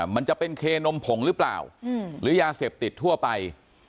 มันจะเป็นเคนมผงหรือเปล่าหรือยาเสพติดทั่วไป